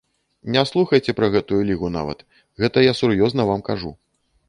Не слухайце пра гэтую лігу нават, гэта я сур'ёзна вам кажу.